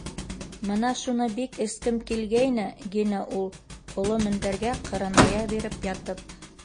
Мына шуны бик эскем килгәйне, - гине ул, оло мендәргә ҡырыная биреп ятып.